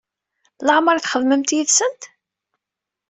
Laɛmeṛ i txedmemt yid-sent?